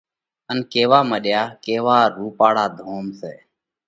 ان ڪيوا مڏيو: ڪيوا رُوپاۯا ڌوم سئہ۔